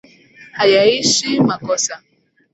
Hayaishi makosa,